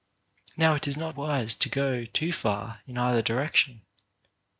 Now it is not wise to go too far in either direc tion.